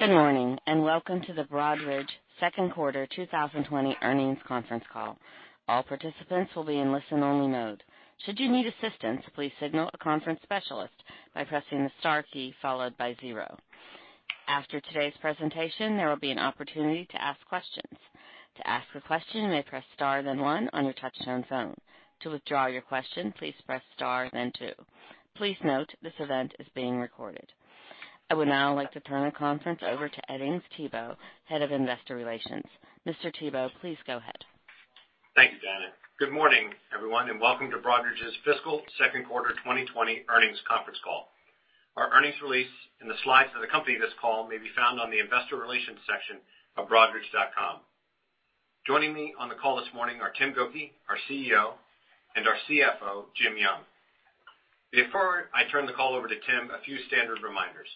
Good morning, and welcome to the Broadridge second quarter 2020 earnings conference call. All participants will be in listen-only mode. Should you need assistance, please signal a conference specialist by pressing the star key followed by zero. After today's presentation, there will be an opportunity to ask questions. To ask a question, you may press star then one on your touch-tone phone. To withdraw your question, please press star then two. Please note this event is being recorded. I would now like to turn the conference over to Edings Thibault, Head of Investor Relations. Mr. Thibault, please go ahead. Thank you, Janet. Good morning, everyone, and welcome to Broadridge's fiscal second quarter 2020 earnings conference call. Our earnings release and the slides that accompany this call may be found on the investor relations section of broadridge.com. Joining me on the call this morning are Tim Gokey, our CEO, and our CFO, Jim Young. Before I turn the call over to Tim, a few standard reminders.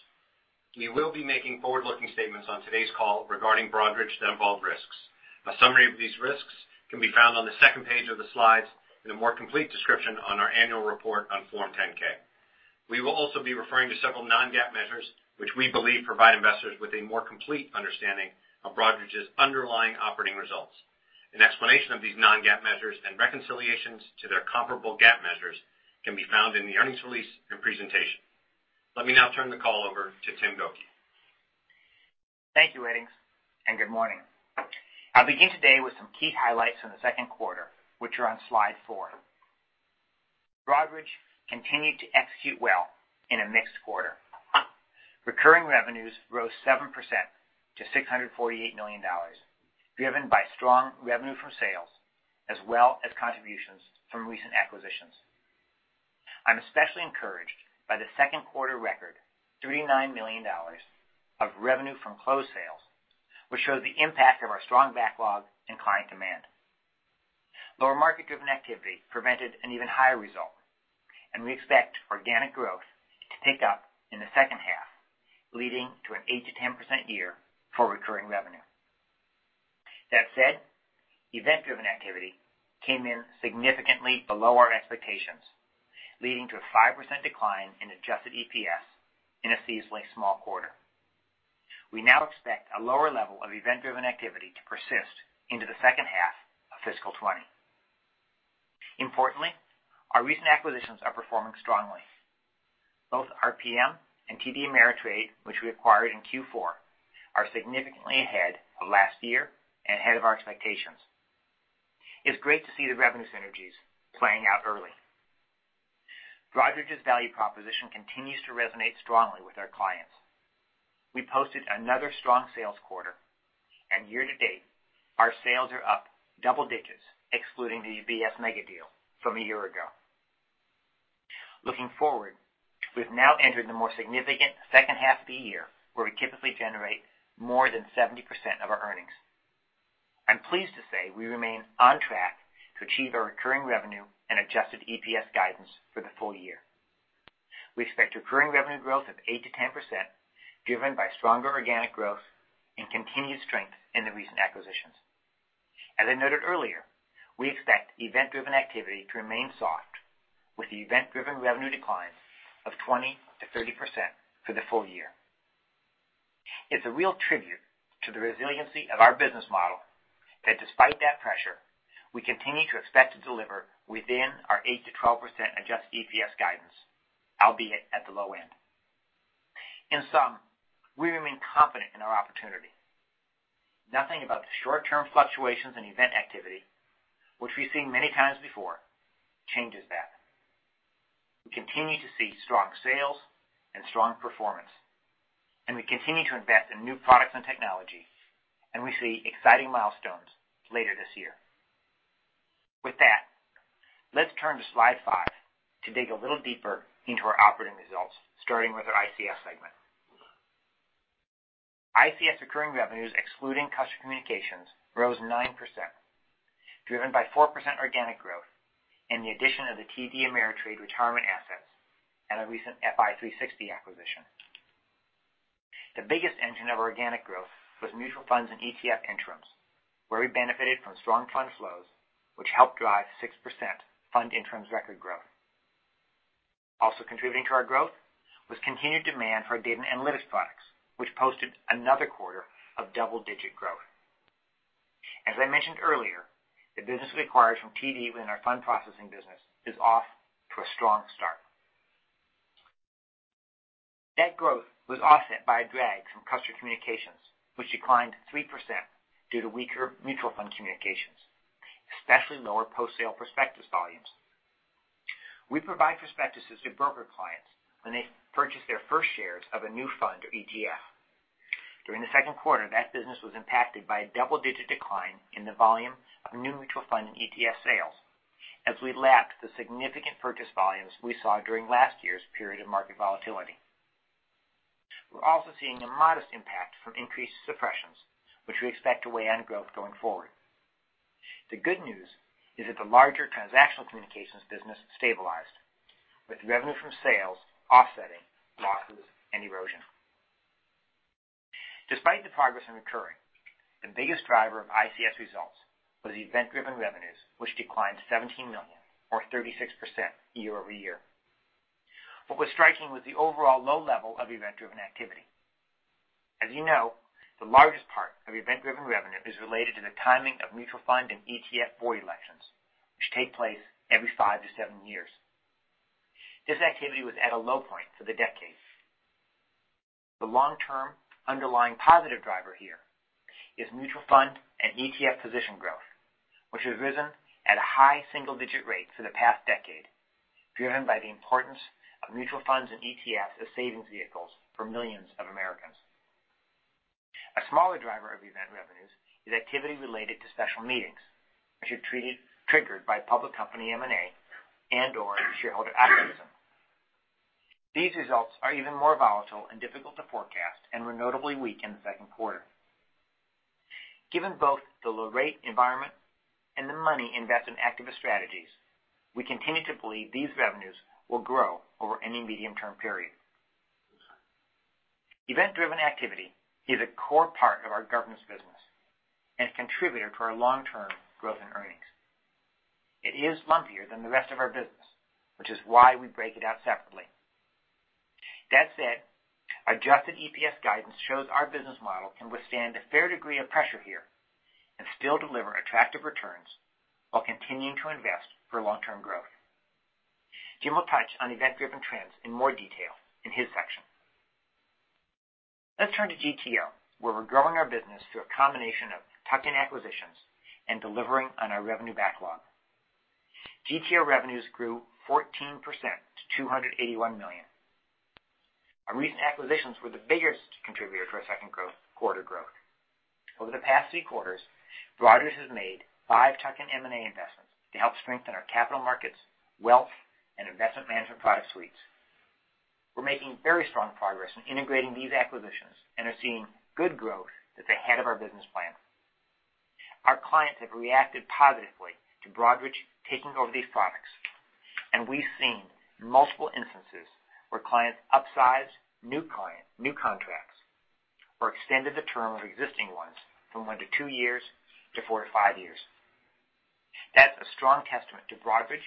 We will be making forward-looking statements on today's call regarding Broadridge that involve risks. A summary of these risks can be found on the second page of the slides, and a more complete description on our annual report on Form 10-K. We will also be referring to several non-GAAP measures which we believe provide investors with a more complete understanding of Broadridge's underlying operating results. An explanation of these non-GAAP measures and reconciliations to their comparable GAAP measures can be found in the earnings release and presentation. Let me now turn the call over to Tim Gokey. Thank you, Edings and good morning. I'll begin today with some key highlights from the second quarter, which are on slide four. Broadridge continued to execute well in a mixed quarter. Recurring revenues rose 7% to $648 million, driven by strong revenue from sales as well as contributions from recent acquisitions. I'm especially encouraged by the second quarter record, $39 million of revenue from closed sales, which shows the impact of our strong backlog and client demand. Lower market-driven activity prevented an even higher result, and we expect organic growth to pick up in the second half, leading to an 8%-10% year for recurring revenue. That said, event-driven activity came in significantly below our expectations, leading to a 5% decline in adjusted EPS in a seasonally small quarter. We now expect a lower level of event-driven activity to persist into the second half of fiscal 2020. Importantly, our recent acquisitions are performing strongly. Both RPM and TD Ameritrade, which we acquired in Q4, are significantly ahead of last year and ahead of our expectations. It's great to see the revenue synergies playing out early. Broadridge's value proposition continues to resonate strongly with our clients. We posted another strong sales quarter. Year to date, our sales are up double digits, excluding the UBS mega deal from a year ago. Looking forward, we've now entered the more significant second half of the year, where we typically generate more than 70% of our earnings. I'm pleased to say we remain on track to achieve our recurring revenue and adjusted EPS guidance for the full year. We expect recurring revenue growth of 8%-10%, driven by stronger organic growth and continued strength in the recent acquisitions. As I noted earlier, we expect event-driven activity to remain soft, with event-driven revenue declines of 20%-30% for the full year. It's a real tribute to the resiliency of our business model that despite that pressure, we continue to expect to deliver within our 8%-12% adjusted EPS guidance, albeit at the low end. In sum, we remain confident in our opportunity. Nothing about the short-term fluctuations in event activity, which we've seen many times before, changes that. We continue to see strong sales and strong performance, and we continue to invest in new products and technology, and we see exciting milestones later this year. With that, let's turn to slide five to dig a little deeper into our operating results, starting with our ICS segment. ICS recurring revenues, excluding customer communications, rose 9%, driven by 4% organic growth and the addition of the TD Ameritrade retirement assets and a recentFi360 acquisition. The biggest engine of organic growth was mutual funds and ETF interims, where we benefited from strong fund flows, which helped drive 6% fund interims record growth. Also contributing to our growth was continued demand for our data and analytics products, which posted another quarter of double-digit growth. As I mentioned earlier, the business we acquired from TD within our fund processing business is off to a strong start. That growth was offset by a drag from customer communications, which declined 3% due to weaker mutual fund communications, especially lower post-sale prospectus volumes. We provide prospectuses to broker clients when they purchase their first shares of a new fund or ETF. During the second quarter, that business was impacted by a double-digit decline in the volume of new mutual fund and ETF sales as we lapped the significant purchase volumes we saw during last year's period of market volatility. We're also seeing a modest impact from increased suppressions, which we expect to weigh on growth going forward. The good news is that the larger transactional communications business stabilized, with revenue from sales offsetting losses and erosion. Despite the progress in recurring, the biggest driver of ICS results was event-driven revenues, which declined to $17 million or 36% year-over-year. What was striking was the overall low level of event-driven activity. As you know, the largest part of event-driven revenue is related to the timing of mutual fund and ETF board elections, which take place every five to seven years. This activity was at a low point for the decade. The long-term underlying positive driver here is mutual fund and ETF position growth, which has risen at a high single-digit rate for the past decade, driven by the importance of mutual funds and ETFs as savings vehicles for millions of Americans. A smaller driver of event revenues is activity related to special meetings, which are triggered by public company M&A and/or shareholder activism. These results are even more volatile and difficult to forecast and were notably weak in the second quarter. Given both the low rate environment and the money in activist strategies, we continue to believe these revenues will grow over any medium-term period. Event-driven activity is a core part of our governance business and has contributed to our long-term growth and earnings. It is lumpier than the rest of our business, which is why we break it out separately. That said adjusted EPS guidance shows our business model can withstand a fair degree of pressure here and still deliver attractive returns while continuing to invest for long-term growth. Jim will touch on event-driven trends in more detail in his section. Let's turn to GTO, where we're growing our business through a combination of tuck-in acquisitions and delivering on our revenue backlog. GTO revenues grew 14% to $281 million. Our recent acquisitions were the biggest contributor to our second quarter growth. Over the past three quarters, Broadridge has made five tuck-in M&A investments to help strengthen our capital markets, wealth, and investment management product suites. We're making very strong progress in integrating these acquisitions and we're seeing good growth that's ahead of our business plan. Our clients have reacted positively to Broadridge taking over these products, and we've seen multiple instances where clients upsized new contracts or extended the term of existing ones from 1-2 years to 4-5 years. That's a strong testament to Broadridge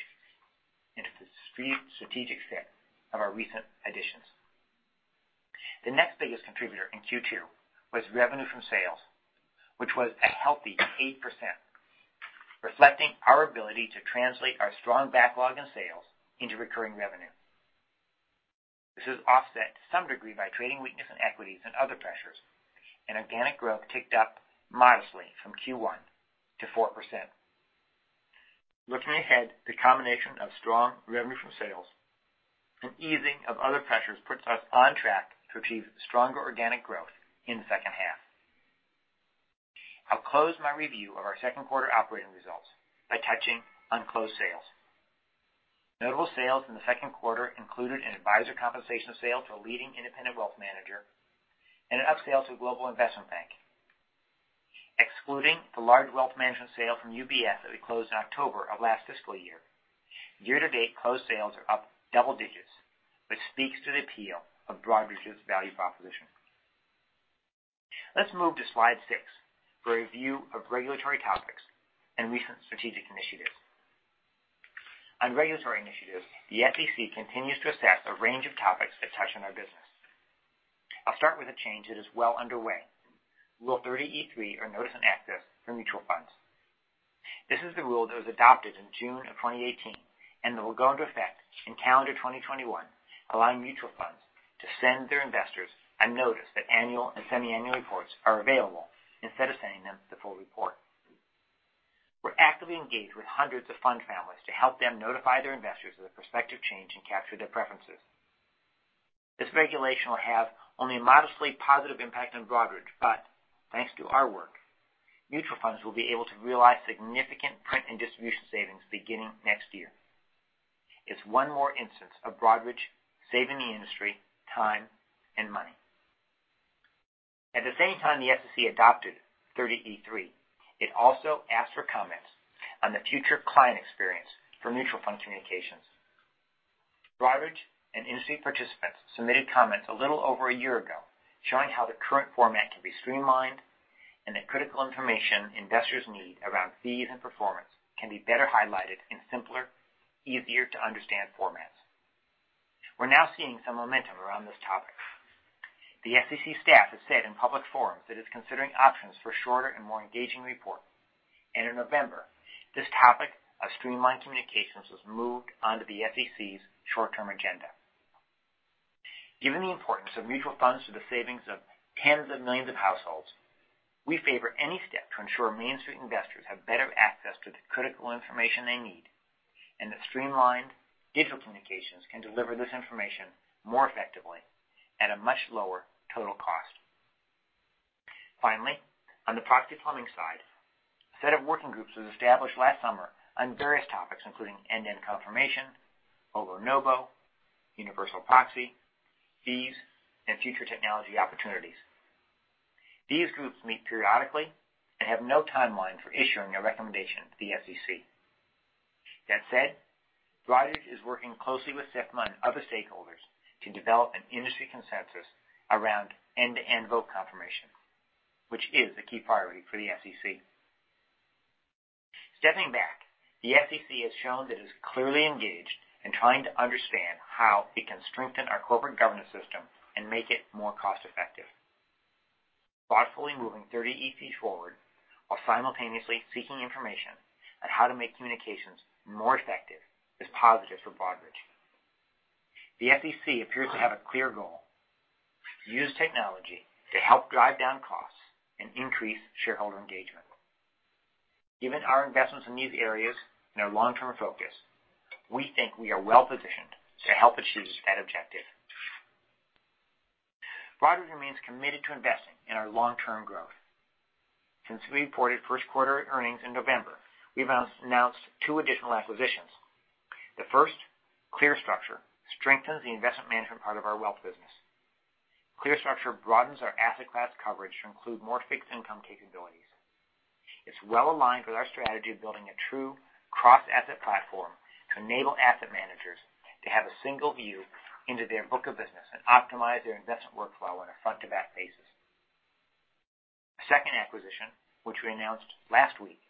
and to the strategic fit of our recent additions. The next biggest contributor in Q2 was revenue from sales, which was a healthy 8%, reflecting our ability to translate our strong backlog in sales into recurring revenue. This is offset to some degree by trading weakness in equities and other pressures, and organic growth ticked up modestly from Q1 to 4%. Looking ahead, the combination of strong revenue from sales and easing of other pressures puts us on track to achieve stronger organic growth in the second half. I'll close my review of our second quarter operating results by touching on closed sales. Notable sales in the second quarter included an advisor compensation sale to a leading independent wealth manager and an up-sale to a global investment bank. Excluding the large wealth management sale from UBS that we closed in October of last fiscal year-to-date closed sales are up double digits, which speaks to the appeal of Broadridge's value proposition. Let's move to slide six for a view of regulatory topics and recent strategic initiatives. On regulatory initiatives, the SEC continues to assess a range of topics that touch on our business. I'll start with a change that is well underway, Rule 30e-3, or notice and access for mutual funds. This is the rule that was adopted in June of 2018, that will go into effect in calendar 2021, allowing mutual funds to send their investors a notice that annual and semi-annual reports are available instead of sending them the full report. We're actively engaged with hundreds of fund families to help them notify their investors of the prospective change and capture their preferences. This regulation will have only a modestly positive impact on Broadridge, thanks to our work, mutual funds will be able to realize significant print and distribution savings beginning next year. It's one more instance of Broadridge saving the industry time and money. At the same time the SEC adopted 30e-3, it also asked for comments on the future client experience for mutual fund communications. Broadridge and industry participants submitted comments a little over a year ago, showing how the current format can be streamlined and that critical information investors need around fees and performance can be better highlighted in simpler, easier-to-understand formats. We're now seeing some momentum around this topic. The SEC staff has said in public forums that it's considering options for shorter and more engaging reporting. In November, this topic of streamlined communications was moved onto the SEC's short-term agenda. Given the importance of mutual funds to the savings of tens of millions of households, we favor any step to ensure Main Street investors have better access to the critical information they need, and that streamlined digital communications can deliver this information more effectively at a much lower total cost. Finally, on the proxy plumbing side, a set of working groups was established last summer on various topics, including end-to-end confirmation, overvoting, universal proxy, fees, and future technology opportunities. These groups meet periodically and have no timeline for issuing a recommendation to the SEC. That said, Broadridge is working closely with SIFMA and other stakeholders to develop an industry consensus around end-to-end vote confirmation, which is a key priority for the SEC. Stepping back, the SEC has shown that it is clearly engaged in trying to understand how it can strengthen our corporate governance system and make it more cost-effective. Thoughtfully moving Rule 30e-3 forward while simultaneously seeking information on how to make communications more effective is positive for Broadridge. The SEC appears to have a clear goal, to use technology to help drive down costs and increase shareholder engagement. Given our investments in these areas and our long-term focus, we think we are well-positioned to help achieve that objective. Broadridge remains committed to investing in our long-term growth. Since we reported first quarter earnings in November, we've announced two additional acquisitions. The first, ClearStructure, strengthens the investment management part of our wealth business. ClearStructure broadens our asset class coverage to include more fixed income capabilities. It's well-aligned with our strategy of building a true cross-asset platform to enable asset managers to have a single view into their book of business and optimize their investment workflow on a front-to-back basis. A second acquisition, which we announced last week,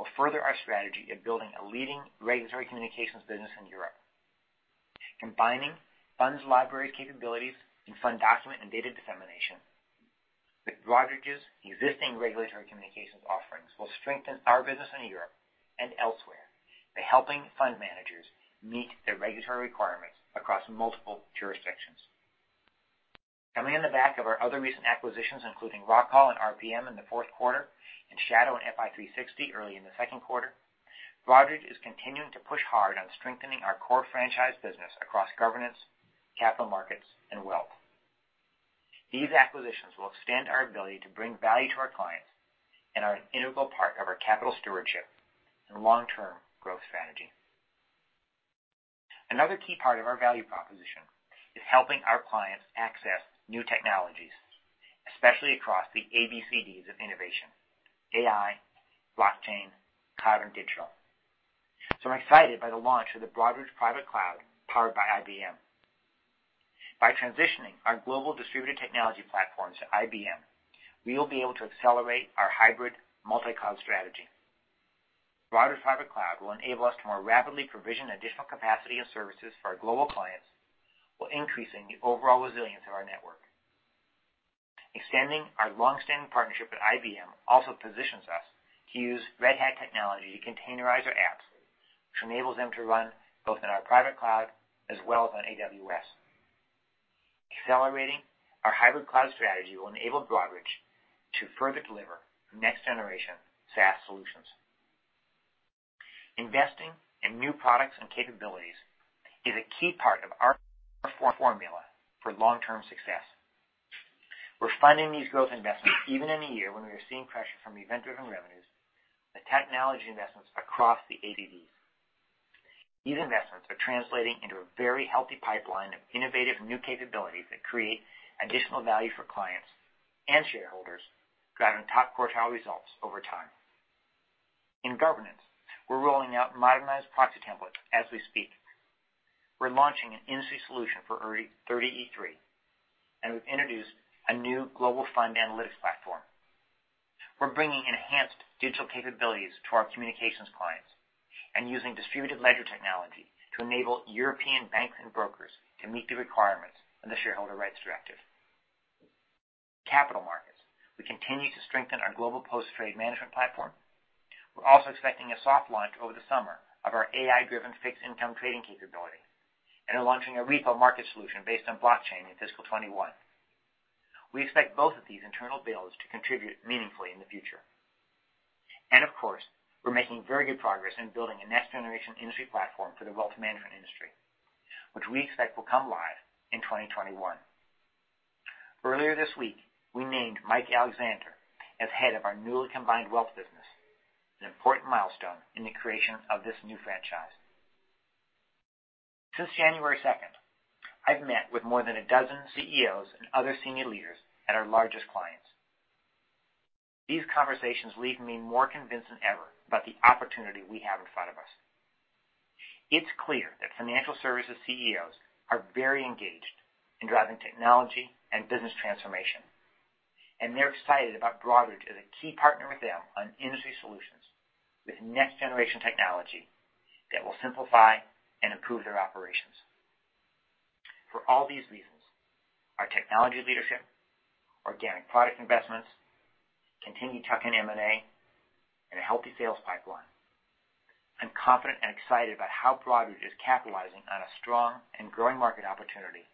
will further our strategy of building a leading regulatory communications business in Europe. Combining FundsLibrary capabilities and fund document and data dissemination with Broadridge's existing regulatory communications offerings will strengthen our business in Europe and elsewhere by helping fund managers meet their regulatory requirements across multiple jurisdictions. Coming on the back of our other recent acquisitions, including Rockall and RPM in the fourth quarter and Shadow andFi360 early in the second quarter, Broadridge is continuing to push hard on strengthening our core franchise business across governance, capital markets, and wealth. These acquisitions will extend our ability to bring value to our clients and are an integral part of our capital stewardship and long-term growth strategy. Another key part of our value proposition is helping our clients access new technologies, especially across the ABCDs of innovation, AI, blockchain, cloud, and digital. I'm excited by the launch of the Broadridge Private Cloud powered by IBM. By transitioning our global distributed technology platforms to IBM, we will be able to accelerate our hybrid multi-cloud strategy. Broadridge Private Cloud will enable us to more rapidly provision additional capacity and services for our global clients while increasing the overall resilience of our network. Extending our longstanding partnership with IBM also positions us to use Red Hat technology to containerize our apps, which enables them to run both in our private cloud as well as on AWS. Accelerating our hybrid cloud strategy will enable Broadridge to further deliver next-generation SaaS solutions. Investing in new products and capabilities is a key part of our formula for long-term success. We're funding these growth investments even in a year when we are seeing pressure from event-driven revenues, the technology investments across the ABCDs. These investments are translating into a very healthy pipeline of innovative new capabilities that create additional value for clients and shareholders, driving top quartile results over time. In governance, we're rolling out modernized proxy templates as we speak. We're launching an industry solution for 30E3, and we've introduced a new global fund analytics platform. We're bringing enhanced digital capabilities to our communications clients and using distributed ledger technology to enable European banks and brokers to meet the requirements of the Shareholder Rights Directive. Capital markets, we continue to strengthen our global post-trade management platform. We're also expecting a soft launch over the summer of our AI-driven fixed income trading capability and are launching a repo market solution based on blockchain in fiscal 2021. We expect both of these internal builds to contribute meaningfully in the future. Of course, we're making very good progress in building a next-generation industry platform for the wealth management industry, which we expect will come live in 2021. Earlier this week, we named Mike Alexander as head of our newly combined wealth business, an important milestone in the creation of this new franchise. Since January 2nd, I've met with more than 12 CEOs and other senior leaders at our largest clients. These conversations leave me more convinced than ever about the opportunity we have in front of us. It's clear that financial services CEOs are very engaged in driving technology and business transformation, and they're excited about Broadridge as a key partner with them on industry solutions with next-generation technology that will simplify and improve their operations. For all these reasons, our technology leadership, organic product investments, continued tuck-in M&A, and a healthy sales pipeline, I'm confident and excited about how Broadridge is capitalizing on a strong and growing market opportunity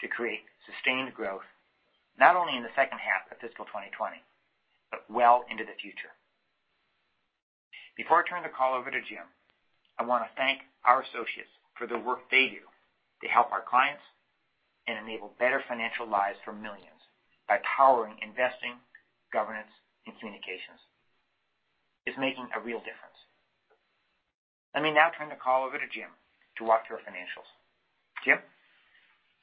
to create sustained growth, not only in the second half of fiscal 2020, but well into the future. Before I turn the call over to Jim, I want to thank our associates for the work they do to help our clients and enable better financial lives for millions by powering investing, governance, and communications. It's making a real difference. Let me now turn the call over to Jim to walk through our financials. Jim?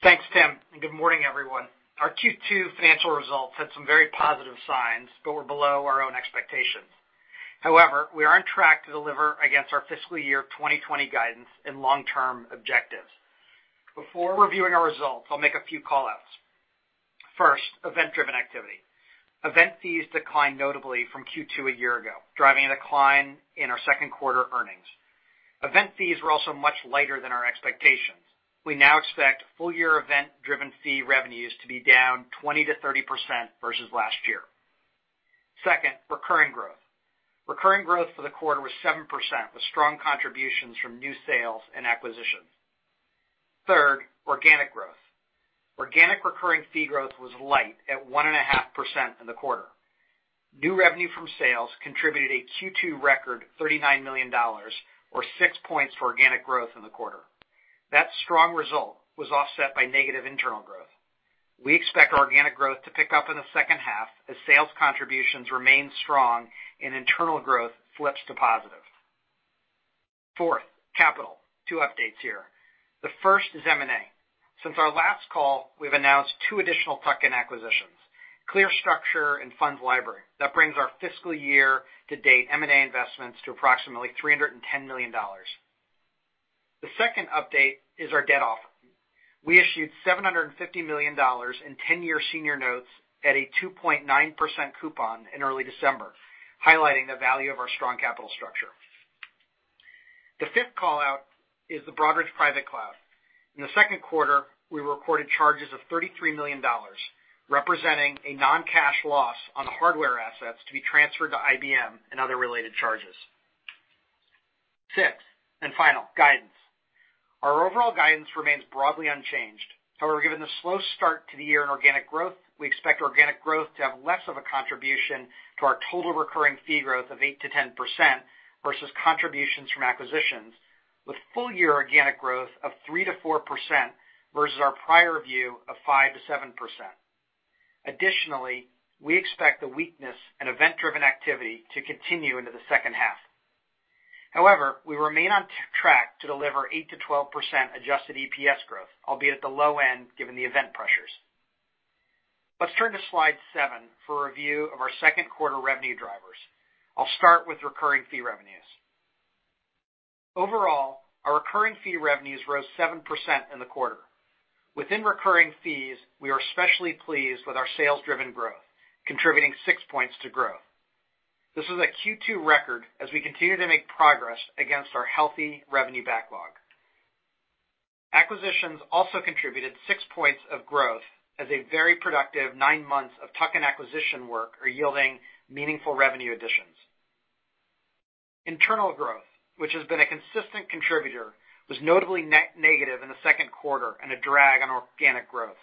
Thanks, Tim. Good morning, everyone. Our Q2 financial results had some very positive signs, but were below our own expectations. However, we are on track to deliver against our fiscal year 2020 guidance and long-term objectives. Before reviewing our results, I'll make a few call-outs. First, event-driven activity. Event fees declined notably from Q2 a year ago, driving a decline in our second quarter earnings. Event fees were also much lighter than our expectations. We now expect full-year event-driven fee revenues to be down 20%-30% versus last year. Second, recurring growth. Recurring growth for the quarter was 7%, with strong contributions from new sales and acquisitions. Third, organic growth. Organic recurring fee growth was light at 1.5% in the quarter. New revenue from sales contributed a Q2 record $39 million, or six points for organic growth in the quarter. That strong result was offset by negative internal growth. We expect organic growth to pick up in the second half as sales contributions remain strong and internal growth flips to positive. Fourth, capital. Two updates here. The first is M&A. Since our last call, we've announced two additional tuck-in acquisitions, ClearStructure and FundsLibrary. That brings our fiscal year-to-date M&A investments to approximately $310 million. The second update is our debt offering. We issued $750 million in 10-year senior notes at a 2.9% coupon in early December, highlighting the value of our strong capital structure. The fifth call-out is the Broadridge Private Cloud. In the second quarter, we recorded charges of $33 million, representing a non-cash loss on the hardware assets to be transferred to IBM and other related charges. Sixth, and final, guidance. Our overall guidance remains broadly unchanged. However, given the slow start to the year in organic growth, we expect organic growth to have less of a contribution to our total recurring fee growth of 8%-10%, versus contributions from acquisitions, with full-year organic growth of 3%-4%, versus our prior view of 5%-7%. Additionally, we expect the weakness in event-driven activity to continue into the second half. However, we remain on track to deliver 8%-12% adjusted EPS growth, albeit at the low end, given the event pressures. Let's turn to slide seven for a review of our second quarter revenue drivers. I'll start with recurring fee revenues. Overall, our recurring fee revenues rose 7% in the quarter. Within recurring fees, we are especially pleased with our sales-driven growth, contributing six points to growth. This is a Q2 record as we continue to make progress against our healthy revenue backlog. Acquisitions also contributed six points of growth as a very productive nine months of tuck-in acquisition work are yielding meaningful revenue additions. Internal growth, which has been a consistent contributor, was notably negative in the second quarter and a drag on organic growth.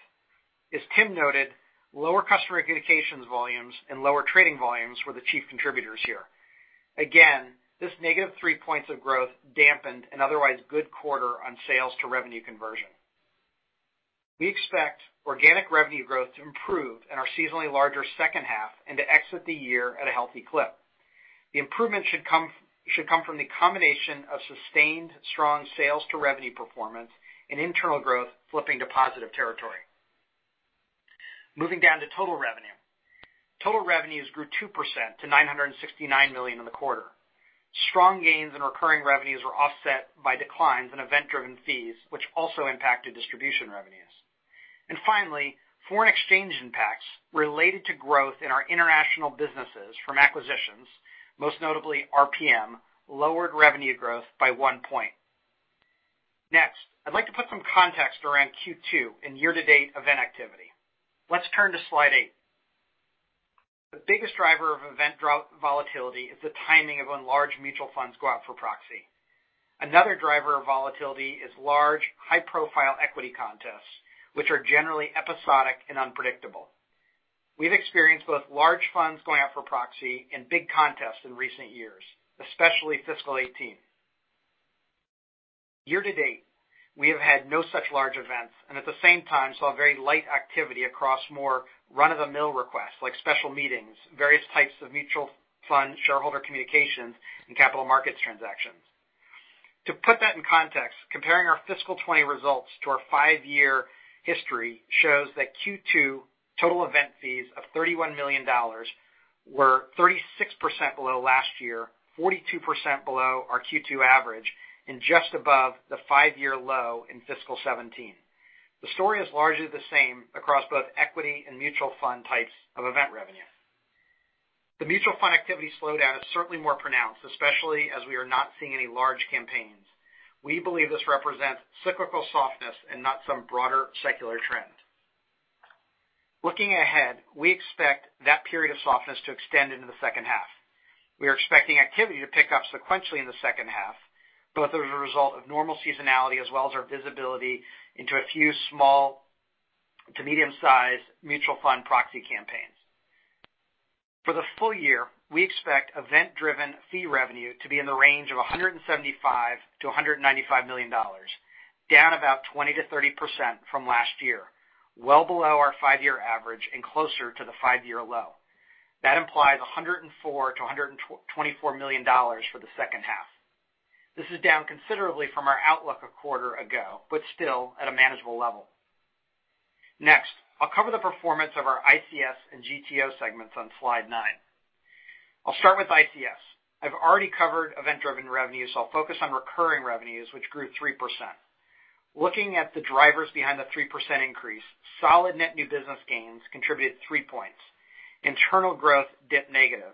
As Tim noted, lower customer communications volumes and lower trading volumes were the chief contributors here. Again, this -3 points of growth dampened an otherwise good quarter on sales to revenue conversion. We expect organic revenue growth to improve in our seasonally larger second half and to exit the year at a healthy clip. The improvement should come from the combination of sustained strong sales to revenue performance and internal growth flipping to positive territory. Moving down to total revenue. Total revenues grew 2% to $969 million in the quarter. Strong gains in recurring revenues were offset by declines in event-driven fees, which also impacted distribution revenues. Finally, foreign exchange impacts related to growth in our international businesses from acquisitions, most notably RPM, lowered revenue growth by one point. Next, I'd like to put some context around Q2 and year-to-date event activity. Let's turn to slide eight. The biggest driver of event volatility is the timing of when large mutual funds go out for proxy. Another driver of volatility is large, high-profile equity contests, which are generally episodic and unpredictable. We've experienced both large funds going out for proxy and big contests in recent years, especially fiscal 2018. Year to date, we have had no such large events, and at the same time, saw very light activity across more run-of-the-mill requests like special meetings, various types of mutual fund shareholder communications, and capital markets transactions. To put that in context, comparing our fiscal 2020 results to our five-year history shows that Q2 total event fees of $31 million were 36% below last year, 42% below our Q2 average, and just above the five-year low in fiscal 2017. The story is largely the same across both equity and mutual fund types of event revenue. The mutual fund activity slowdown is certainly more pronounced, especially as we are not seeing any large campaigns. We believe this represents cyclical softness and not some broader secular trend. Looking ahead, we expect that period of softness to extend into the second half. We are expecting activity to pick up sequentially in the second half, both as a result of normal seasonality as well as our visibility into a few small to medium-sized mutual fund proxy campaigns. For the full year, we expect event-driven fee revenue to be in the range of $175 million-$195 million, down about 20%-30% from last year, well below our five-year average and closer to the five-year low. That implies $104 million-$124 million for the second half. This is down considerably from our outlook a quarter ago, but still at a manageable level. I'll cover the performance of our ICS and GTO segments on slide nine. I'll start with ICS. I've already covered event-driven revenue, so I'll focus on recurring revenues, which grew 3%. Looking at the drivers behind the 3% increase, solid net new business gains contributed three points. Internal growth dipped negative,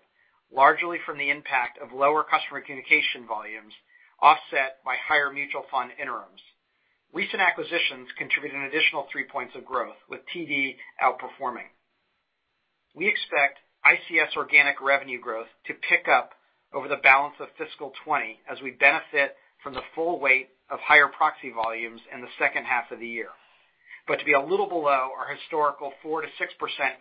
largely from the impact of lower customer communication volumes offset by higher mutual fund interims. Recent acquisitions contributed an additional three points of growth, with TD outperforming. We expect ICS organic revenue growth to pick up over the balance of fiscal 2020 as we benefit from the full weight of higher proxy volumes in the second half of the year. To be a little below our historical 4%-6%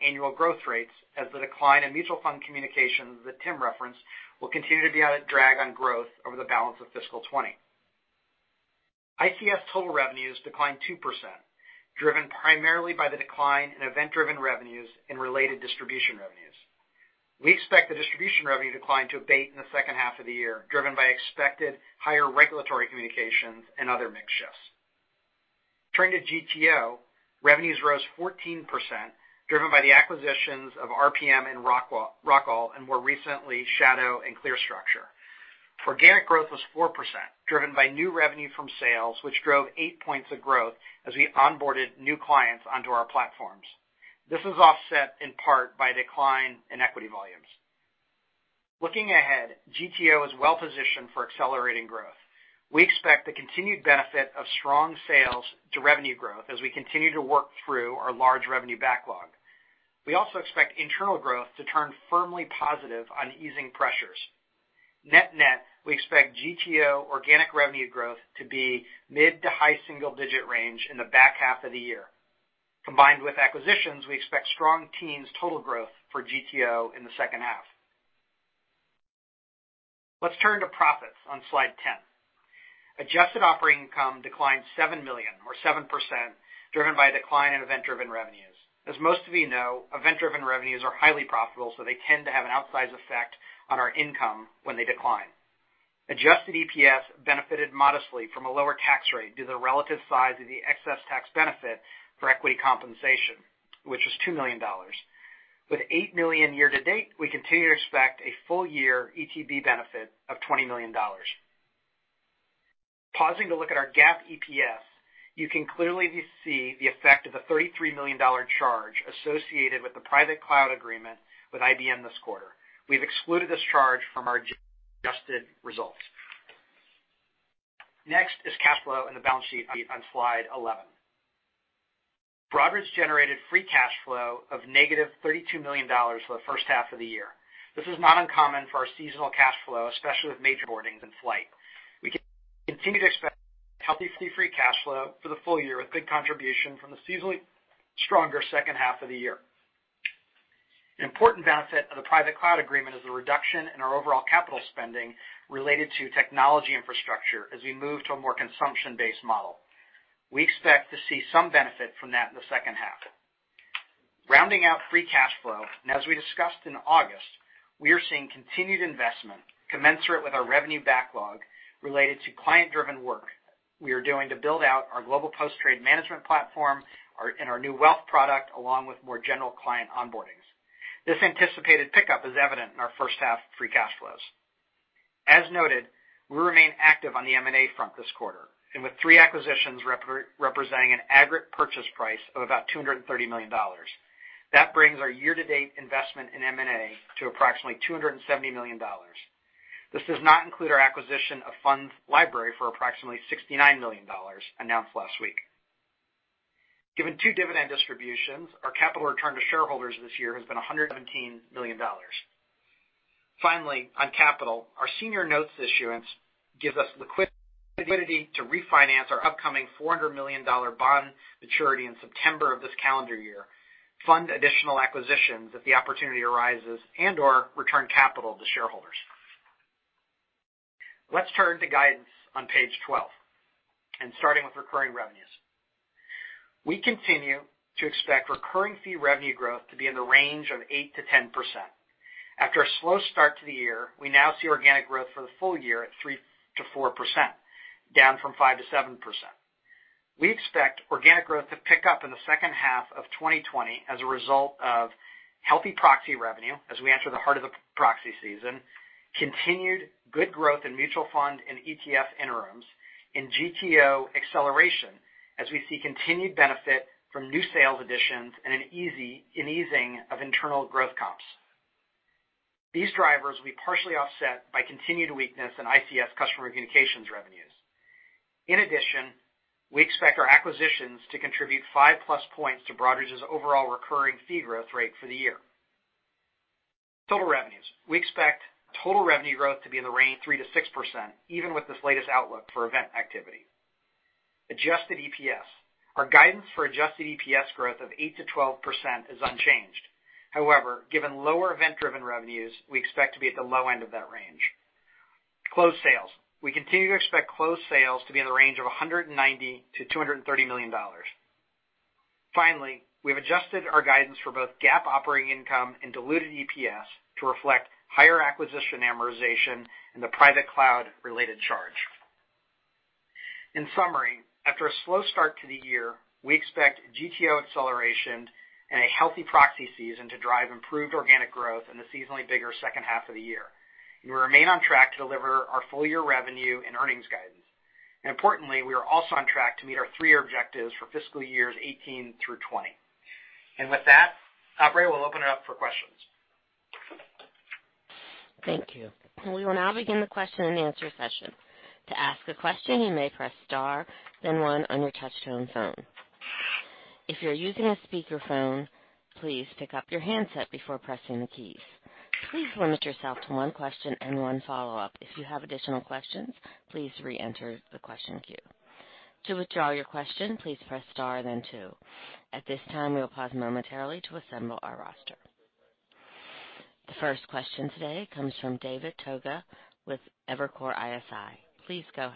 annual growth rates as the decline in mutual fund communications that Tim referenced will continue to be at a drag on growth over the balance of fiscal 2020. ICS total revenues declined 2%, driven primarily by the decline in event-driven revenues and related distribution revenues. We expect the distribution revenue decline to abate in the second half of the year, driven by expected higher regulatory communications and other mix shifts. Turning to GTO, revenues rose 14%, driven by the acquisitions of RPM and Rockall, and more recently, Shadow and ClearStructure. Organic growth was 4%, driven by new revenue from sales, which drove eight points of growth as we onboarded new clients onto our platforms. This is offset in part by a decline in equity volumes. Looking ahead, GTO is well positioned for accelerating growth. We expect the continued benefit of strong sales to revenue growth as we continue to work through our large revenue backlog. We also expect internal growth to turn firmly positive on easing pressures. Net-net, we expect GTO organic revenue growth to be mid to high single-digit range in the back half of the year. Combined with acquisitions, we expect strong teens total growth for GTO in the second half. Let's turn to profits on slide 10. Adjusted operating income declined $7 million, or 7%, driven by a decline in event-driven revenues. As most of you know, event-driven revenues are highly profitable, so they tend to have an outsized effect on our income when they decline. Adjusted EPS benefited modestly from a lower tax rate due to the relative size of the excess tax benefit for equity compensation, which was $2 million. With $8 million year to date, we continue to expect a full year ETB benefit of $20 million. Pausing to look at our GAAP EPS, you can clearly see the effect of a $33 million charge associated with the private cloud agreement with IBM this quarter. We've excluded this charge from our adjusted results. Next is cash flow and the balance sheet on slide 11. Broadridge generated free cash flow of -$32 million for the first half of the year. This is not uncommon for our seasonal cash flow, especially with major boardings in flight. We continue to expect healthy free cash flow for the full year, with good contribution from the seasonally stronger second half of the year. An important benefit of the Private Cloud agreement is the reduction in our overall capital spending related to technology infrastructure as we move to a more consumption-based model. We expect to see some benefit from that in the second half. Rounding out free cash flow, as we discussed in August, we are seeing continued investment commensurate with our revenue backlog related to client-driven work we are doing to build out our global post-trade management platform and our new wealth product, along with more general client onboardings. This anticipated pickup is evident in our first half free cash flows. As noted, we remain active on the M&A front this quarter. With three acquisitions representing an aggregate purchase price of about $230 million. That brings our year-to-date investment in M&A to approximately $270 million. This does not include our acquisition of FundsLibrary for approximately $69 million announced last week. Given two dividend distributions, our capital return to shareholders this year has been $117 million. Finally, on capital, our senior notes issuance gives us liquidity to refinance our upcoming $400 million bond maturity in September of this calendar year, fund additional acquisitions if the opportunity arises, and/or return capital to shareholders. Let's turn to guidance on page 12, and starting with recurring revenues. We continue to expect recurring fee revenue growth to be in the range of 8%-10%. After a slow start to the year, we now see organic growth for the full year at 3%-4%, down from 5%-7%. We expect organic growth to pick up in the second half of 2020 as a result of healthy proxy revenue as we enter the heart of the proxy season, continued good growth in mutual fund and ETF interims, and GTO acceleration as we see continued benefit from new sales additions and an easing of internal growth comps. These drivers will be partially offset by continued weakness in ICS customer communications revenues. In addition, we expect our acquisitions to contribute 5+ points to Broadridge's overall recurring fee growth rate for the year. Total revenues. We expect total revenue growth to be in the range of 3%-6%, even with this latest outlook for event activity. Adjusted EPS. Our guidance for adjusted EPS growth of 8%-12% is unchanged. However, given lower event-driven revenues, we expect to be at the low end of that range. Closed sales. We continue to expect closed sales to be in the range of $190 million-$230 million. Finally, we've adjusted our guidance for both GAAP operating income and diluted EPS to reflect higher acquisition amortization and the private cloud related charge. In summary, after a slow start to the year, we expect GTO acceleration and a healthy proxy season to drive improved organic growth in the seasonally bigger second half of the year. Importantly, we are also on track to meet our three-year objectives for fiscal years 2018 through 2020. With that, operator, we'll open it up for questions. Thank you. We will now begin the question and answer session. To ask a question, you may press star, then one on your touch-tone phone. If you're using a speakerphone, please pick up your handset before pressing the keys. Please limit yourself to one question and one follow-up. If you have additional questions, please re-enter the question queue. To withdraw your question, please press star, then two. At this time, we will pause momentarily to assemble our roster. The first question today comes from David Togut with Evercore ISI. Please go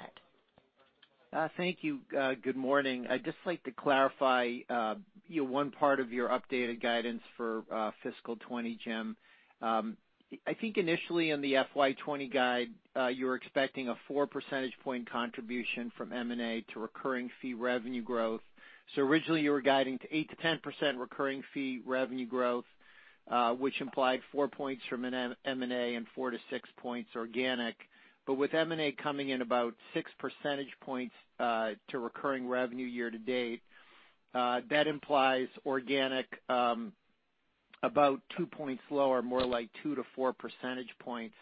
ahead. Thank you. Good morning. I'd just like to clarify one part of your updated guidance for fiscal 2020, Jim. I think initially in the FY 2020 guide, you were expecting a four percentage point contribution from M&A to recurring fee revenue growth. Originally, you were guiding to 8%-10% recurring fee revenue growth, which implied four points from M&A and 4-6 points organic. With M&A coming in about six percentage points to recurring revenue year-to-date, that implies organic about two points lower, more like 2-4 percentage points.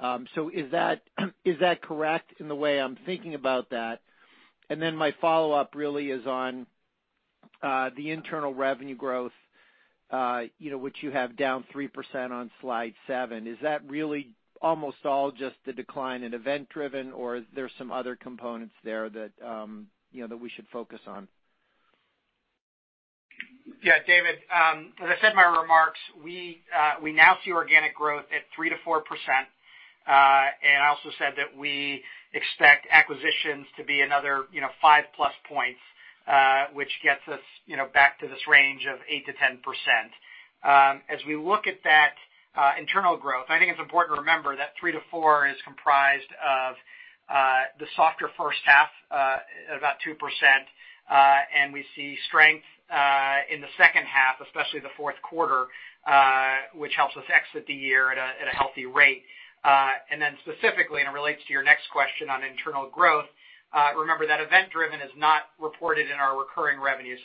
Is that correct in the way I'm thinking about that? My follow-up really is on the internal revenue growth which you have down 3% on slide seven. Is that really almost all just the decline in event-driven, or is there some other components there that we should focus on? David. As I said in my remarks, we now see organic growth at 3%-4%, and I also said that we expect acquisitions to be another 5+ points, which gets us back to this range of 8%-10%. As we look at that internal growth, I think it's important to remember that three to four is comprised of the softer first half, about 2%, and we see strength in the second half, especially the fourth quarter, which helps us exit the year at a healthy rate. Then specifically, and it relates to your next question on internal growth, remember that event-driven is not reported in our recurring revenue.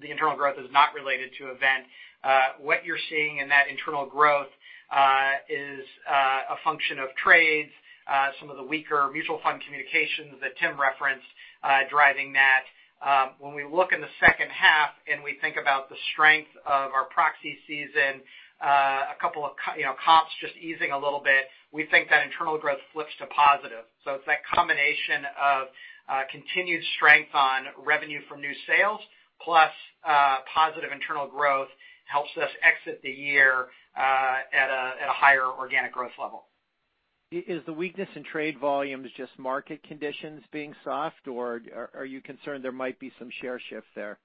The internal growth is not related to event. What you're seeing in that internal growth is a function of trades, some of the weaker mutual fund communications that Tim referenced driving that. When we look in the second half and we think about the strength of our proxy season, a couple of comps just easing a little bit, we think that internal growth flips to positive. It's that combination of continued strength on revenue from new sales, plus positive internal growth helps us exit the year at a higher organic growth level. Is the weakness in trade volumes just market conditions being soft, or are you concerned there might be some share shift there?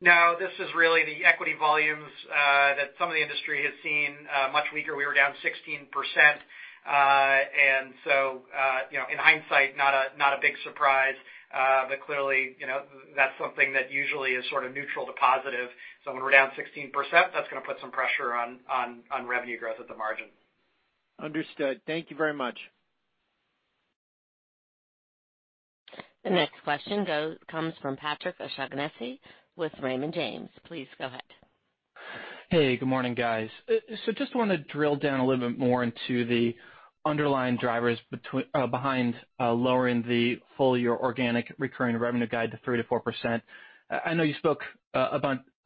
No, this is really the equity volumes that some of the industry has seen much weaker. We were down 16%. In hindsight, not a big surprise. Clearly, that's something that usually is sort of neutral to positive. When we're down 16%, that's going to put some pressure on revenue growth at the margin. Understood. Thank you very much. The next question comes from Patrick O'Shaughnessy with Raymond James. Please go ahead. Hey, good morning, guys. Just want to drill down a little bit more into the underlying drivers behind lowering the full-year organic recurring revenue guide to 3%-4%. I know you spoke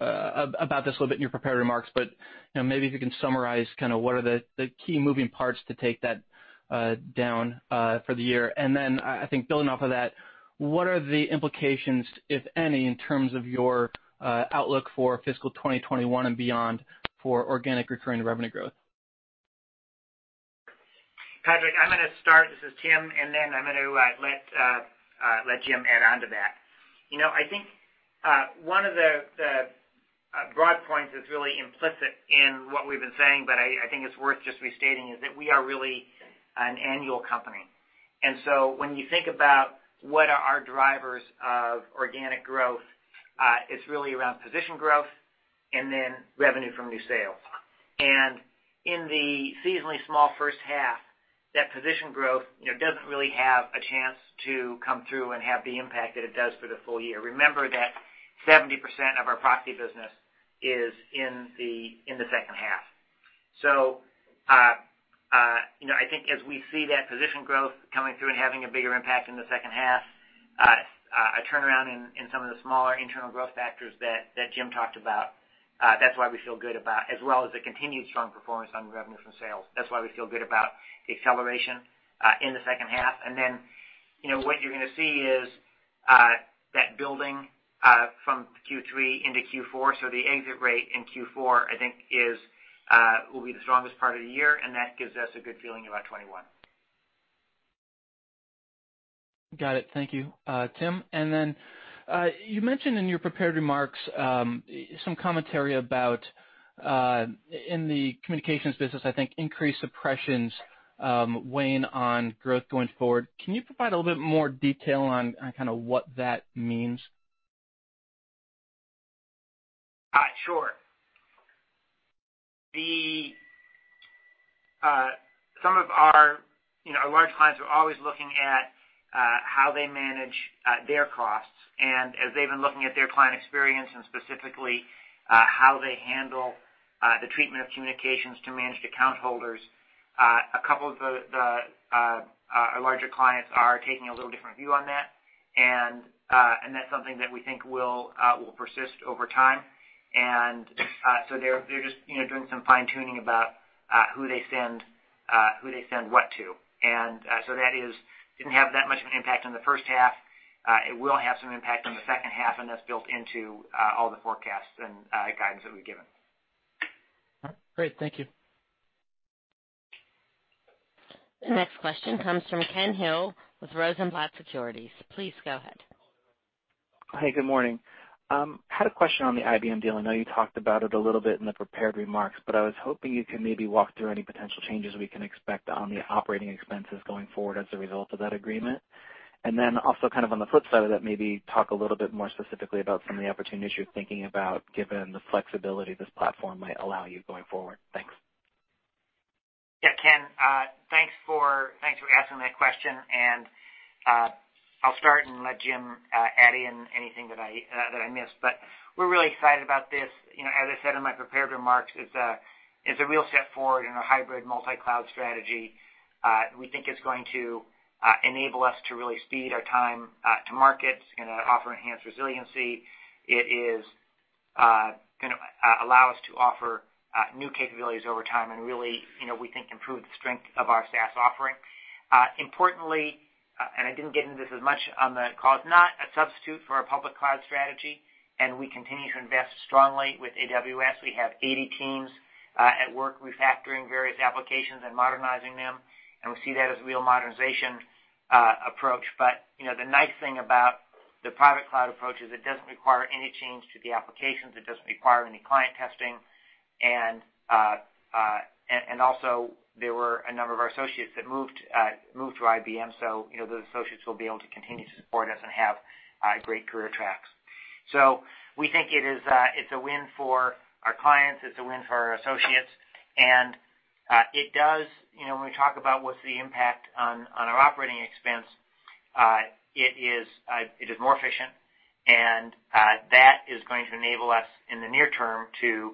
about this a little bit in your prepared remarks, but maybe if you can summarize kind of what are the key moving parts to take that down for the year. Then I think building off of that, what are the implications, if any, in terms of your outlook for fiscal 2021 and beyond for organic recurring revenue growth? Patrick, I'm going to start. This is Tim, and then I'm going to let Jim add on to that. I think one of the broad points that's really implicit in what we've been saying, but I think it's worth just restating, is that we are really an annual company. When you think about what are our drivers of organic growth, it's really around position growth and then revenue from new sales. In the seasonally small first half, that position growth doesn't really have a chance to come through and have the impact that it does for the full year. Remember that 70% of our proxy business is in the second half. I think as we see that position growth coming through and having a bigger impact in the second half, a turnaround in some of the smaller internal growth factors that Jim talked about, that's why we feel good about, as well as the continued strong performance on revenue from sales. That's why we feel good about acceleration in the second half. Then, what you're going to see is that building from Q3 into Q4, so the exit rate in Q4, I think will be the strongest part of the year, and that gives us a good feeling about 2021. Got it. Thank you, Tim. You mentioned in your prepared remarks some commentary about in the communications business, I think increased suppressions weighing on growth going forward. Can you provide a little bit more detail on kind of what that means? Sure. Some of our large clients are always looking at how they manage their costs. As they've been looking at their client experience, and specifically how they handle the treatment of communications to managed account holders, a couple of the larger clients are taking a little different view on that. That's something that we think will persist over time. They're just doing some fine-tuning about who they send what to. That didn't have that much of an impact on the first half. It will have some impact on the second half, and that's built into all the forecasts and guidance that we've given. Great. Thank you. The next question comes from Kenneth Hill with Rosenblatt Securities. Please go ahead. Hey, good morning. Had a question on the IBM deal. I know you talked about it a little bit in the prepared remarks, but I was hoping you could maybe walk through any potential changes we can expect on the operating expenses going forward as a result of that agreement. Then also kind of on the flip side of that, maybe talk a little bit more specifically about some of the opportunities you're thinking about given the flexibility this platform might allow you going forward. Thanks. Yeah, Ken. Thanks for asking that question. I'll start and let Jim add in anything that I miss. We're really excited about this. As I said in my prepared remarks, it's a real step forward in our hybrid multi-cloud strategy. We think it's going to enable us to really speed our time to market. It's going to offer enhanced resiliency. It is going to allow us to offer new capabilities over time and really, we think, improve the strength of our SaaS offering. Importantly, and I didn't get into this as much on the call, it's not a substitute for our public cloud strategy, and we continue to invest strongly with AWS. We have 80 teams at work refactoring various applications and modernizing them, and we see that as a real modernization approach. The nice thing about the private cloud approach is it doesn't require any change to the applications. It doesn't require any client testing. Also there were a number of our associates that moved to IBM, so those associates will be able to continue to support us and have great career tracks. We think it's a win for our clients, it's a win for our associates. When we talk about what's the impact on our operating expense, it is more efficient, and that is going to enable us in the near term to increase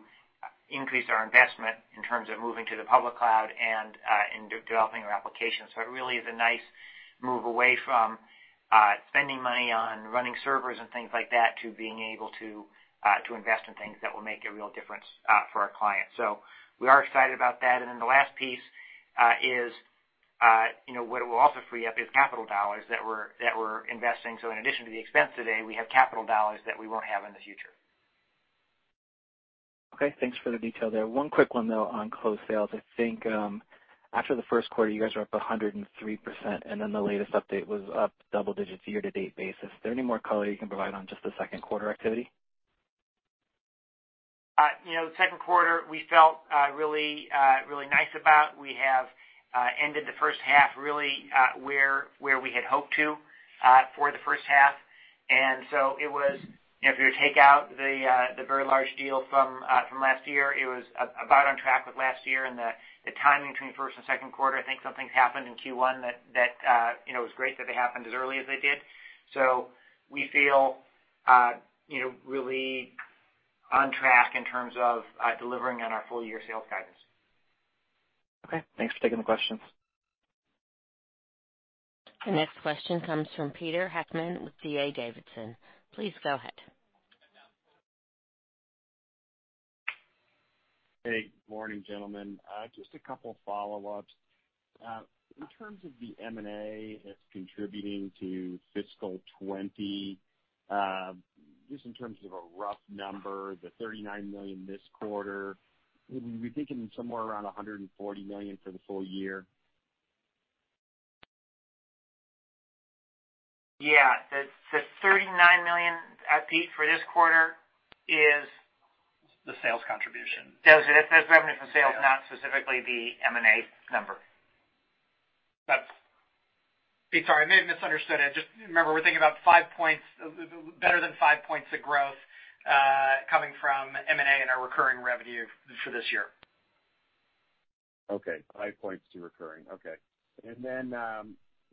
our investment in terms of moving to the public cloud and in developing our applications. It really is a nice move away from spending money on running servers and things like that to being able to invest in things that will make a real difference for our clients. We are excited about that. The last piece is what it will also free up is capital dollars that we're investing. In addition to the expense today, we have capital dollars that we won't have in the future. Okay, thanks for the detail there. One quick one, though, on closed sales. I think after the first quarter, you guys are up 103%, and then the latest update was up double digits year to date basis. Is there any more color you can provide on just the second quarter activity? The second quarter we felt really nice about. We have ended the first half really where we had hoped to for the first half. If you take out the very large deal from last year, it was about on track with last year and the timing between the first and second quarter, I think some things happened in Q1 that it was great that they happened as early as they did. We feel really on track in terms of delivering on our full-year sales guidance. Okay. Thanks for taking the questions. The next question comes from Peter Heckmann with D.A. Davidson. Please go ahead. Hey, good morning, gentlemen. Just a couple of follow-ups. In terms of the M&A that's contributing to fiscal 2020, just in terms of a rough number, the $39 million this quarter, would we be thinking somewhere around $140 million for the full year? Yeah. The $39 million, Pete, for this quarter is- The sales contribution. That's revenue from sales. Yeah not specifically the M&A number. Pete, sorry, I may have misunderstood it. Just remember, we're thinking about better than five points of growth coming from M&A and our recurring revenue for this year. Okay. Five points to recurring. Okay.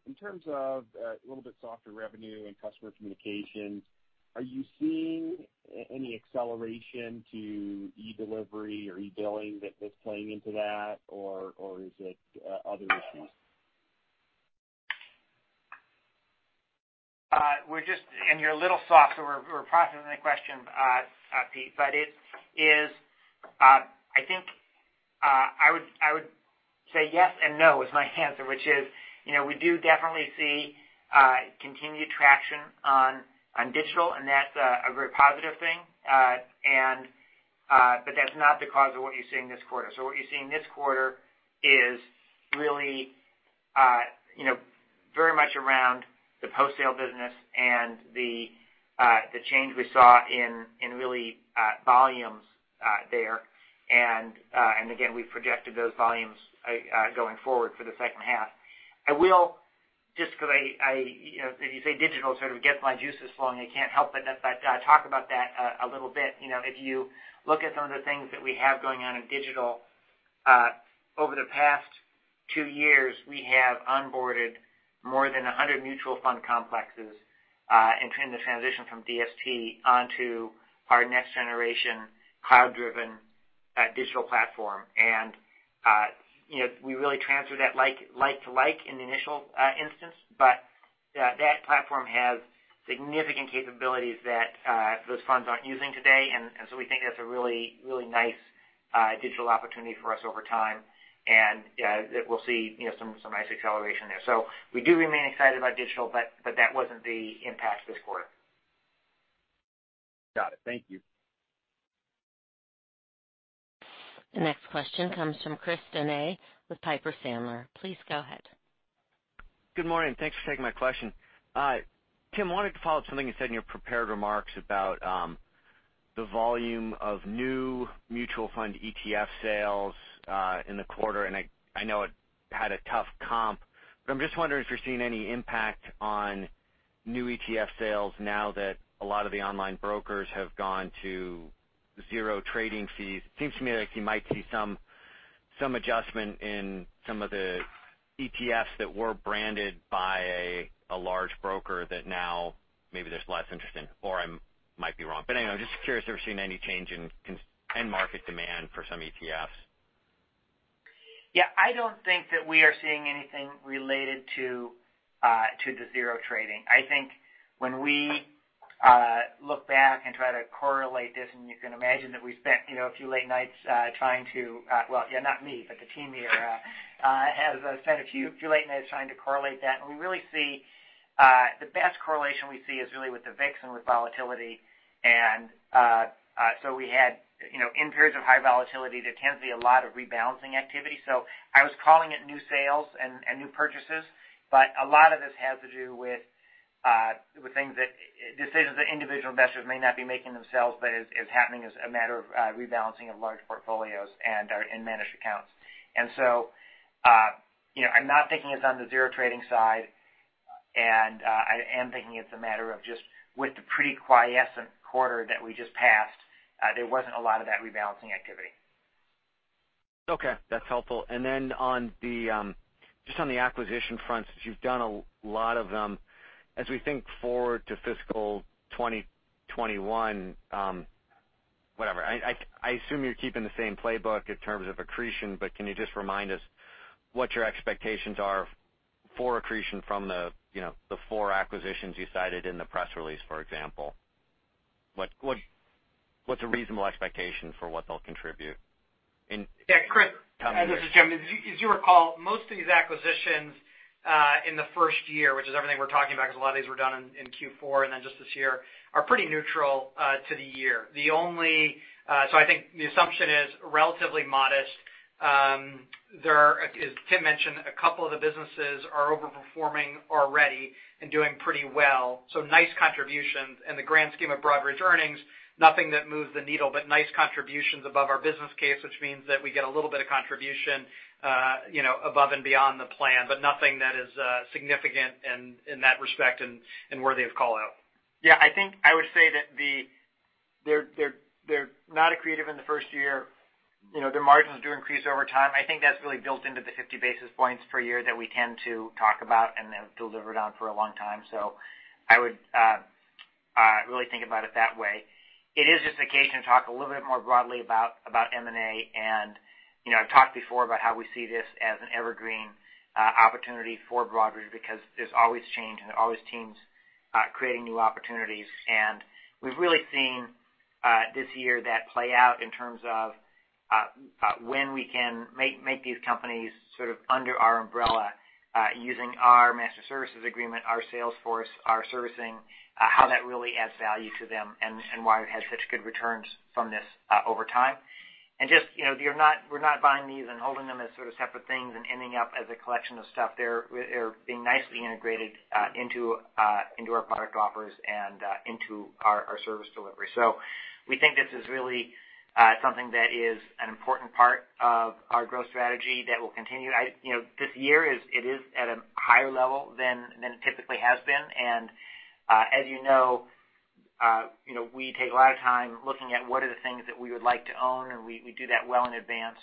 In terms of a little bit softer revenue and customer communications, are you seeing any acceleration to e-delivery or e-billing that's playing into that, or is it other issues? You're a little soft, so we're processing the question, Pete, but I think I would say yes and no is my answer, which is we do definitely see continued traction on digital, and that's a very positive thing. That's not the cause of what you're seeing this quarter. What you're seeing this quarter is really very much around the post-sale business and the change we saw in really volumes there. Again, we've projected those volumes going forward for the second half. Just because if you say digital, it sort of gets my juices flowing. I can't help it, but talk about that a little bit. If you look at some of the things that we have going on in digital, over the past two years, we have onboarded more than 100 mutual fund complexes in the transition from DST onto our next-generation cloud-driven digital platform. We really transferred that like to like in the initial instance. That platform has significant capabilities that those funds aren't using today. We think that's a really nice digital opportunity for us over time, and that we'll see some nice acceleration there. We do remain excited about digital, but that wasn't the impact this quarter. Got it. Thank you. The next question comes from Chris Donat with Piper Sandler. Please go ahead. Good morning. Thanks for taking my question. Tim, wanted to follow up something you said in your prepared remarks about the volume of new mutual fund ETF sales in the quarter, and I know it had a tough comp. I'm just wondering if you're seeing any impact on new ETF sales now that a lot of the online brokers have gone to zero trading fees. It seems to me like you might see some adjustment in some of the ETFs that were branded by a large broker that now maybe there's less interest in, or I might be wrong. Anyway, I'm just curious if you're seeing any change in end market demand for some ETFs. Yeah, I don't think that we are seeing anything related to the zero trading. I think when we look back and try to correlate this, you can imagine that the team here has spent a few late nights trying to correlate that. The best correlation we see is really with the VIX and with volatility. In periods of high volatility, there tends to be a lot of rebalancing activity. I was calling it new sales and new purchases, but a lot of this has to do with decisions that individual investors may not be making themselves, but is happening as a matter of rebalancing of large portfolios and managed accounts. And so, l'm not thinking it's on the zero trading side, and I am thinking it's a matter of just with the pretty quiescent quarter that we just passed, there wasn't a lot of that rebalancing activity. Okay, that's helpful. Then just on the acquisition front, since you've done a lot of them, as we think forward to fiscal 2021, I assume you're keeping the same playbook in terms of accretion, but can you just remind us what your expectations are for accretion from the four acquisitions you cited in the press release, for example? What's a reasonable expectation for what they'll contribute in- Yeah, Chris, this is Jim. As you recall, most of these acquisitions in the first year, which is everything we're talking about, because a lot of these were done in Q4 and then just this year, are pretty neutral to the year. I think the assumption is relatively modest. As Tim mentioned, a couple of the businesses are over-performing already and doing pretty well. Nice contributions. In the grand scheme of Broadridge earnings, nothing that moves the needle, but nice contributions above our business case, which means that we get a little bit of contribution above and beyond the plan, but nothing that is significant in that respect and worthy of call-out. Yeah, I think I would say that they're not accretive in the first year. Their margins do increase over time. I think that's really built into the 50 basis points per year that we tend to talk about and have delivered on for a long time. I would really think about it that way. It is just the case, going to talk a little bit more broadly about M&A. I've talked before about how we see this as an evergreen opportunity for Broadridge because there's always change, and there are always teams creating new opportunities. We've really seen this year that play out in terms of when we can make these companies sort of under our umbrella using our master services agreement, our sales force, our servicing, how that really adds value to them, and why we've had such good returns from this over time. We're not buying these and holding them as sort of separate things and ending up as a collection of stuff. They're being nicely integrated into our product offers and into our service delivery. We think this is really something that is an important part of our growth strategy that will continue. This year it is at a higher level than it typically has been. As you know we take a lot of time looking at what are the things that we would like to own, and we do that well in advance.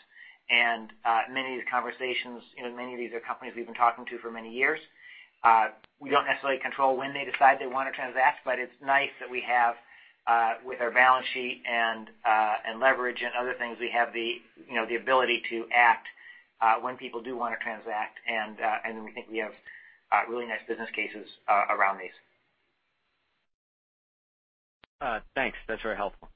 Many of these are companies we've been talking to for many years. We don't necessarily control when they decide they want to transact, but it's nice that with our balance sheet and leverage and other things, we have the ability to act when people do want to transact. We think we have really nice business cases around these. Thanks. That's very helpful.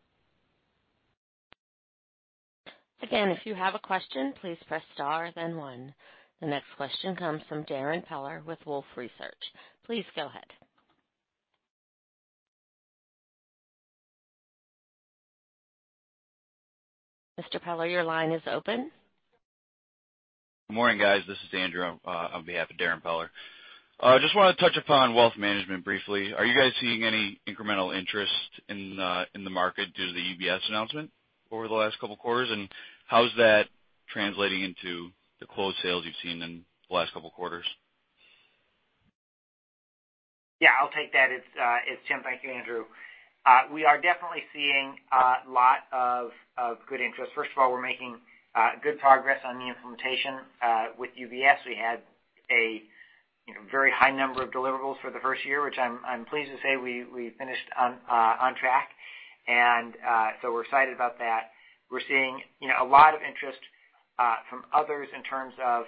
Again, if you have a question, please press star then one. The next question comes from Darrin Peller with Wolfe Research. Please go ahead. Mr. Peller, your line is open. Good morning, guys. This is Andrew on behalf of Darrin Peller. I just want to touch upon wealth management briefly. Are you guys seeing any incremental interest in the market due to the UBS announcement over the last couple quarters? How's that translating into the closed sales you've seen in the last couple quarters? Yeah, I'll take that. It's Tim. Thank you, Andrew. We are definitely seeing a lot of good interest. First of all, we're making good progress on the implementation with UBS. We had a very high number of deliverables for the first year, which I'm pleased to say we finished on track. We're excited about that. We're seeing a lot of interest from others in terms of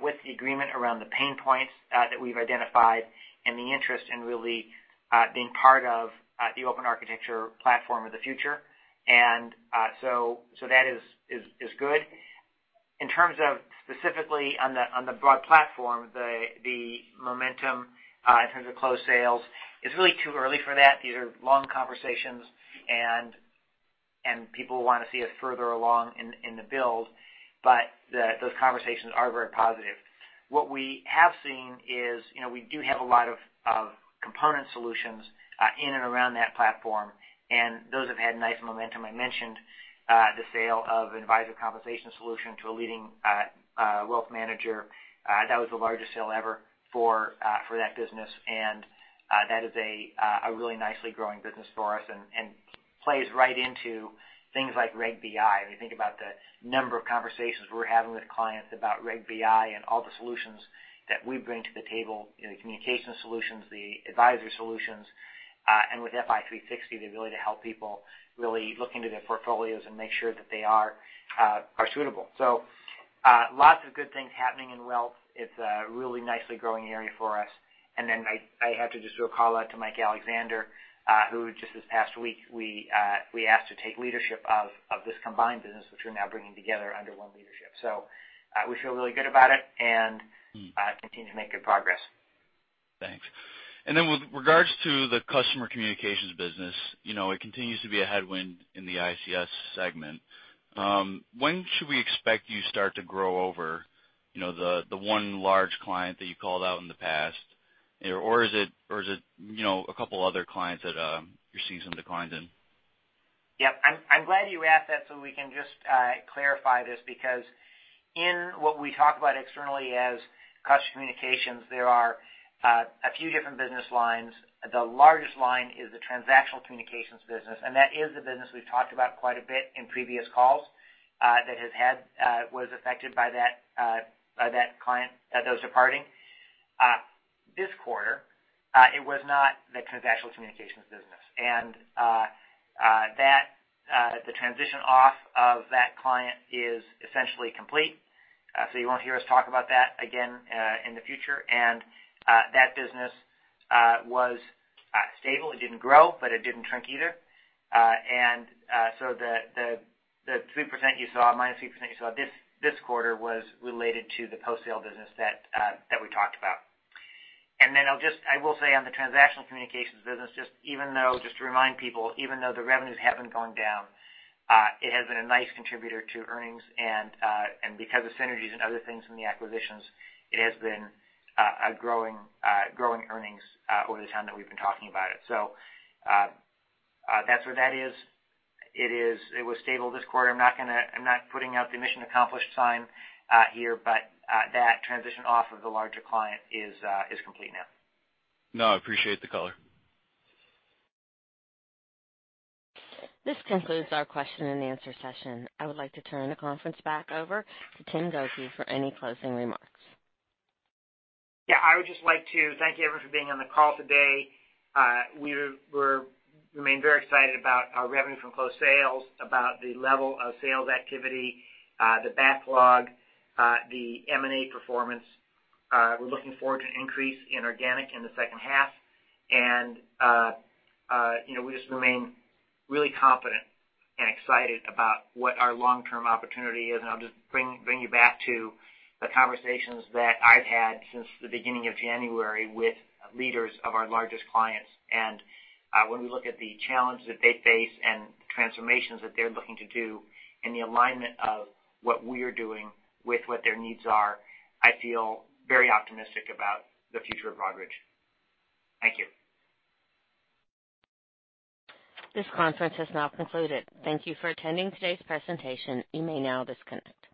with the agreement around the pain points that we've identified and the interest in really being part of the open architecture platform of the future. That is good. In terms of specifically on the broad platform, the momentum in terms of closed sales, it's really too early for that. These are long conversations, and people want to see us further along in the build, but those conversations are very positive. What we have seen is we do have a lot of component solutions in and around that platform, and those have had nice momentum. I mentioned the sale of an advisor compensation solution to a leading wealth manager. That was the largest sale ever for that business, and that is a really nicely growing business for us and plays right into things like Reg BI. When you think about the number of conversations we're having with clients about Reg BI and all the solutions that we bring to the table, the communications solutions, the advisory solutions, and withFi360, the ability to help people really look into their portfolios and make sure that they are suitable. Lots of good things happening in wealth. It's a really nicely growing area for us. I have to just do a call-out to Mike Alexander, who just this past week, we asked to take leadership of this combined business, which we're now bringing together under one leadership. We feel really good about it and continue to make good progress. Thanks. With regards to the customer communications business, it continues to be a headwind in the ICS segment. When should we expect you start to grow over the one large client that you called out in the past? Is it a couple other clients that you're seeing some declines in? Yep. I'm glad you asked that so we can just clarify this, because in what we talk about externally as customer communications, there are a few different business lines. The largest line is the transactional communications business, and that is the business we've talked about quite a bit in previous calls that was affected by that client, those departing. This quarter, it was not the transactional communications business. The transition off of that client is essentially complete, so you won't hear us talk about that again in the future. That business was stable. It didn't grow, but it didn't shrink either. The -3% you saw this quarter was related to the post-sale business that we talked about. Then I will say on the transactional communications business, just to remind people, even though the revenues haven't gone down, it has been a nice contributor to earnings. Because of synergies and other things from the acquisitions, it has been growing earnings over the time that we've been talking about it. That's where that is. It was stable this quarter. I'm not putting out the mission accomplished sign here, but that transition off of the larger client is complete now. No, I appreciate the color. This concludes our question and answer session. I would like to turn the conference back over to Tim Gokey for any closing remarks. Yeah, I would just like to thank everyone for being on the call today. We remain very excited about our revenue from closed sales, about the level of sales activity, the backlog, the M&A performance. We're looking forward to an increase in organic in the second half. We just remain really confident and excited about what our long-term opportunity is. I'll just bring you back to the conversations that I've had since the beginning of January with leaders of our largest clients. When we look at the challenges that they face and transformations that they're looking to do and the alignment of what we are doing with what their needs are, I feel very optimistic about the future of Broadridge. Thank you. This conference has now concluded. Thank you for attending today's presentation. You may now disconnect.